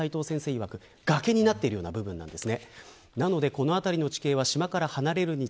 いわく崖になっている部分です。